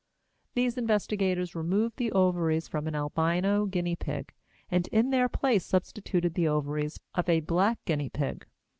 These investigators removed the ovaries from an albino guinea pig, and in their place substituted the ovaries of a black guinea pig.